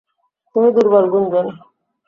তুমি দুর্বল গুঞ্জন!